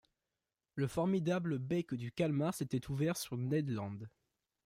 Le formidable bec du calmar s’était ouvert sur Ned Land.